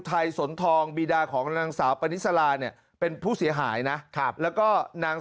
ไทสนทองบีดาของนังสาวเปนผู้เสียหายนะครับแล้วก็น้าง